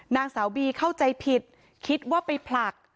นางสาวบีเข้าใจผิดคิดว่าไปผลัก